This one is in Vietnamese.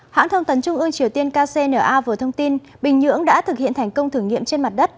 hãng thông tấn trung ương triều tiên kcna vừa thông tin bình nhưỡng đã thực hiện thành công thử nghiệm trên mặt đất